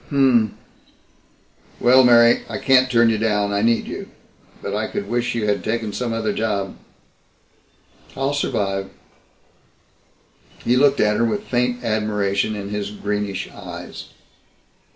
"Hm m m. Well, Mary I can't turn you down. I need you. But I could wish you had taken some other job." "I'll survive." He looked at her with faint admiration in his greenish eyes.